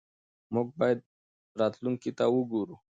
موږ باید راتلونکي ته وګورو.